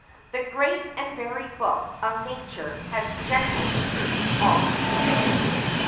The great and varied book of Nature had generally proved all sufficient.